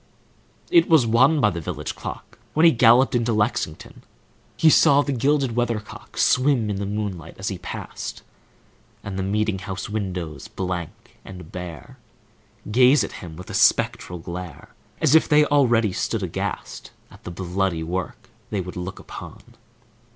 It was one by the village clock, When he galloped into Lexington. He saw the gilded weathercock Swim in the moonlight as he passed, And the meeting house windows, blank and bare, Gaze at him with a spectral glare, As if they already stood aghast At the bloody work they would look upon.